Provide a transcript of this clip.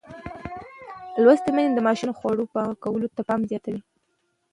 لوستې میندې د ماشومانو د خوړو پاکولو ته پام زیاتوي.